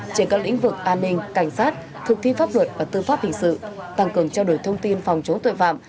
trên các lĩnh vực an ninh cảnh sát thực thi pháp luật và tư pháp hình sự tăng cường trao đổi thông tin phòng chống tội phạm